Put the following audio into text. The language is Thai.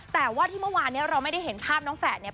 แต่ว่าที่เมื่อวานเนี่ยเราไม่ได้เห็นภาพน้องแฝดเนี่ย